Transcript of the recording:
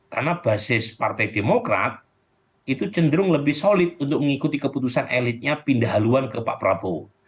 karena basis partai demokrat itu cenderung lebih solid untuk mengikuti keputusan elitnya pindah haluan ke pak prabowo